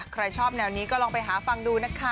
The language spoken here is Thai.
ใครชอบแนวนี้ก็ลองไปหาฟังดูนะคะ